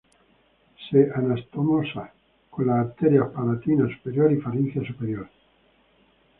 Se anastomosa con las arterias palatina superior y faríngea superior.